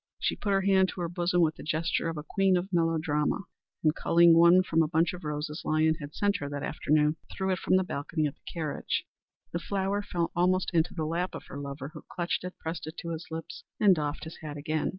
She put her hand to her bosom with the gesture of a queen of melodrama, and culling one from a bunch of roses Lyons had sent her that afternoon threw it from the balcony at the carriage. The flower fell almost into the lap of her lover, who clutched it, pressed it to his lips, and doffed his hat again.